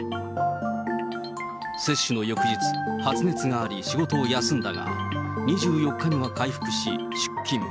接種の翌日、発熱があり、仕事を休んだが、２４日には回復し、出勤。